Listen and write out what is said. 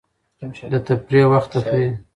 د تفریح وخت تفریح.